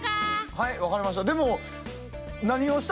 はい分かりました。